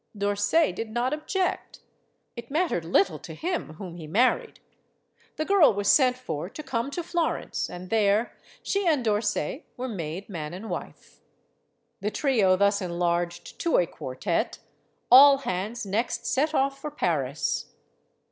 D'Orsay did not object. It mattered little to him whom he married. The girl was sent for to come to Florence, and there she and D'Or say were made man and wife. The trio thus enlarged to a quartet, all hands next set off for Paris.